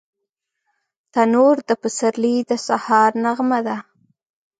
تنور د پسرلي د سهار نغمه ده